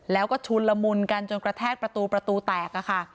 แล้วก็ชุนละมุนกันจนกระแทกประตูประตูแตกค่ะ